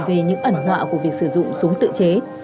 về những ẩn họa của việc sử dụng súng tự chế